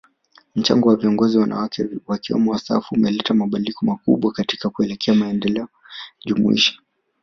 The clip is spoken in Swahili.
Mchango wa viongozi wanawake wakiwemo wastaafu umeleta mabadiliko makubwa katika kuelekea maendeleo jumuishi